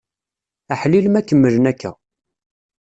Aḥlil ma kemmlen akka!